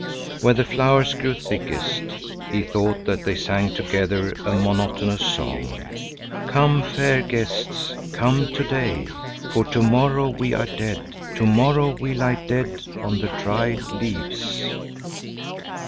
Where the flowers grew thickest, he thought that they sang together a monotonous song. "Come, fair guests, come to day, for to morrow we are dead, to morrow we lie dead on the dried leaves."